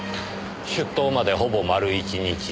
出頭までほぼ丸一日。